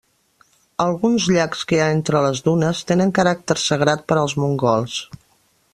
Alguns llacs que hi ha entre les dunes tenen caràcter sagrat per als mongols.